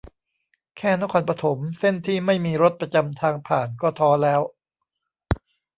แค่นครปฐมเส้นที่ไม่มีรถประจำทางผ่านก็ท้อแล้ว